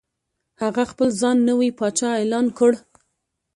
هغه خپل ځان نوی پاچا اعلان کړ.